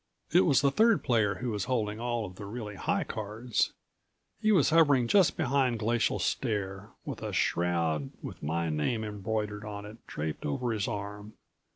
It was the third player who was holding all of the really high cards. He was hovering just behind Glacial Stare, with a shroud with my name embroidered on it draped over his arm.